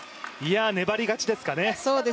粘り勝ちですかね。